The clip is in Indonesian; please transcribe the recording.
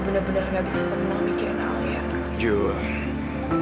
bener bener gak bisa temen aku mikirin alia